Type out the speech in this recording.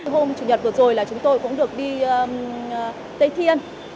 hôm chủ nhật vừa rồi là chúng tôi cũng được đi tây thiên